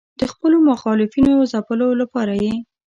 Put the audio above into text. د خپلو مخالفینو ځپلو لپاره یې.